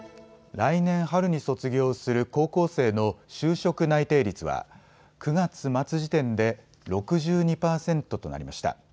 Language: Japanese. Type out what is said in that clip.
来年春に卒業する高校生の就職内定率は９月末時点で６２％となりました。